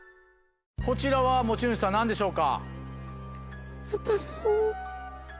こちらは持ち主さん何でしょうか？